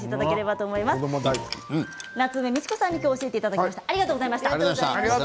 夏梅美智子さんに今日、教えていただきました。